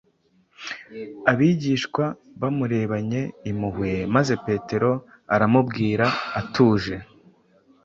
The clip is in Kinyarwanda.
Abigishwa bamurebanye impuhwe maze Petero aramubwira atuje